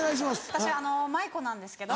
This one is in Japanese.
私舞子なんですけど。